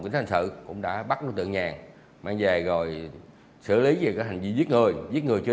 kính thành sự cũng đã bắt nó tự nhàng mang về rồi xử lý về các hành vi giết người giết người chưa